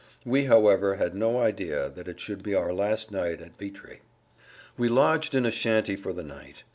We, however, had no idea that it should be our last night at Vitry. We lodged in a shanty for the night.